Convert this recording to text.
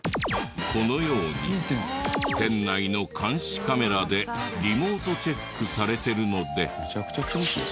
このように店内の監視カメラでリモートチェックされてるので。